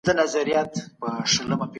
په لویه جرګه کي د علماوو مشورې څنګه منل کېږي؟